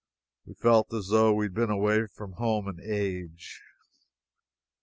We felt as though we had been away from home an age.